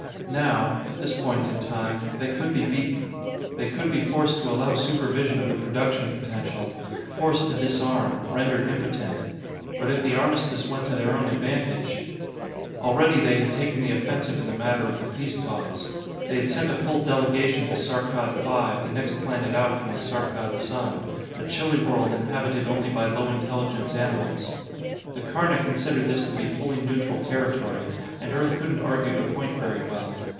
Now at this point in time they could be beaten. They could be forced to allow supervision of the production potential, forced to disarm, rendered impotent. But if the armistice went to their own advantage ... Already, they had taken the offensive in the matter of the peace talks. They had sent a full delegation to Saarkkad V, the next planet out from the Saarkkad sun, a chilly world inhabited only by low intelligence animals. The Karna considered this to be fully neutral territory, and Earth couldn't argue the point very well.